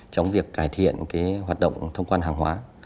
trong việc cải thiện hoạt động thông quan hàng hóa